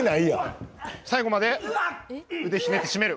最後まで腕ひねって絞める。